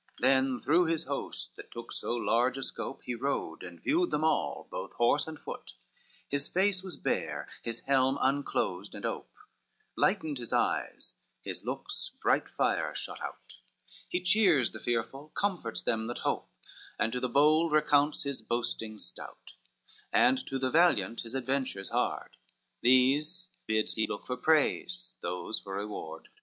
XII Then through his host, that took so large a scope, He rode, and viewed them all, both horse and foot; His face was bare, his helm unclosed and ope, Lightened his eyes, his looks bright fire shot out; He cheers the fearful, comforts them that hope, And to the bold recounts his boasting stout, And to the valiant his adventures hard, These bids he look for praise, those for reward.